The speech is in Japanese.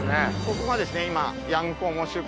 ここがですね今。